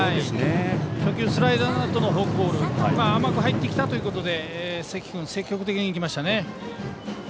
初球、スライダーのあとのフォークボールが甘く入ってきたということで関君、積極的に行きましたね。